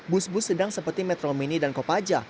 bus bus sedang seperti metro mini dan kopaja